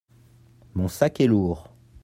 mon sac est lourd.